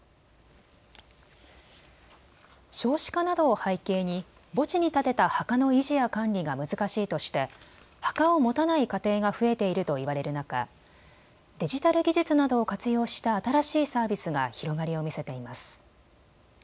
少子化などを背景に墓地に建てた墓の維持や管理が難しいとして墓を持たない家庭が増えているといわれる中デジタル技術などを活用した新しいサービスが広がりを見せています。